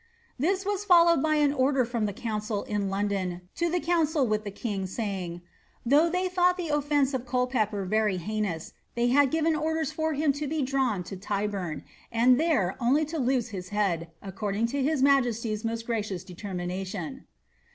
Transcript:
This was followed by an order from the council in London to the council with the king, saying, Though they thought the offence of Culpepper very heinous, they had given orders for him to be drawn to Tyburn, and there only to lose his head, according to his highness's most gracious determination."